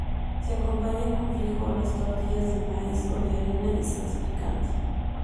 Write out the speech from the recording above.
Se acompaña con frijoles, tortillas de maíz o de harina y salsa picante.